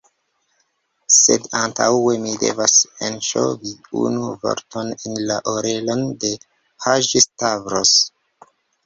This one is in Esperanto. Sed antaŭe, mi devas enŝovi unu vorton en la orelon de Haĝi-Stavros.